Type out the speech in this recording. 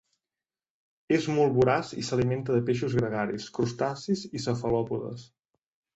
És molt voraç i s'alimenta de peixos gregaris, crustacis i cefalòpodes.